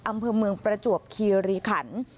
อำเภอเมืองประจวบคีรีขัน